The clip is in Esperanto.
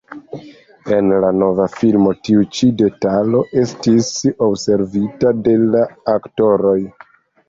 En la nova filmo tiu ĉi detalo estis observita de la aktoroj.